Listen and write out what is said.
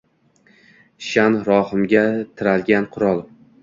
Shaʼn-rohimga tiralgan qurol.